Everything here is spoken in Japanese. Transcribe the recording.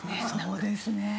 そうですね。